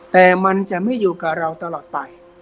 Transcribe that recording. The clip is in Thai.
แต่มันจะไม่อยู่กับเราตลอดไป